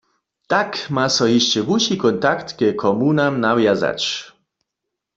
Tak ma so hišće wuši kontakt ke komunam nawjazać.